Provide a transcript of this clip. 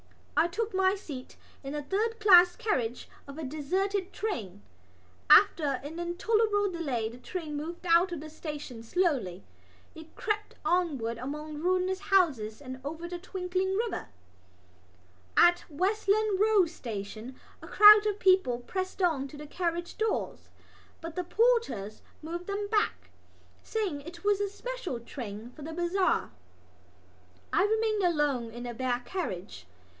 I took my seat in a third class carriage of a deserted train. After an intolerable delay the train moved out of the station slowly. It crept onward among ruinous houses and over the twinkling river. At Westland Row Station a crowd of people pressed to the carriage doors; but the porters moved them back, saying that it was a special train for the bazaar. I remained alone in the bare carriage.